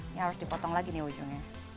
ini harus dipotong lagi nih ujungnya